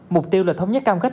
mục tiêu là thống nhất cam kết